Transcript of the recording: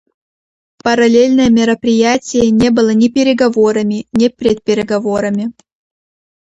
Параллельное мероприятие не было ни переговорами, ни предпереговорами.